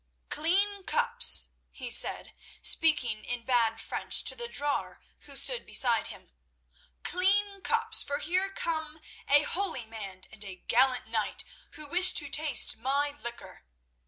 "Clean cups," he said, speaking in bad French, to the drawer who stood beside him. "Clean cups, for here come a holy man and a gallant knight who wish to taste my liquor.